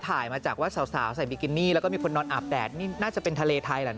ถ่ายมาจากว่าสาวใส่บิกินี่แล้วก็มีคนนอนอาบแดดนี่น่าจะเป็นทะเลไทยเหรอนะ